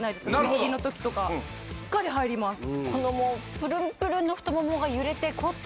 腹筋の時とかしっかり入ります